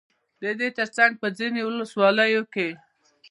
ددې ترڅنگ په ځينو ولسواليو كې